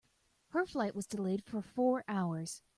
Her flight was delayed for four hours.